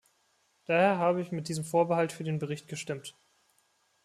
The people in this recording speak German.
Daher habe ich mit diesem Vorbehalt für den Bericht gestimmt.